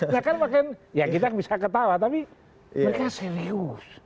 ya kita bisa ketawa tapi mereka serius